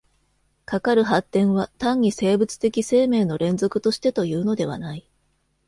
かかる発展は単に生物的生命の連続としてというのではない。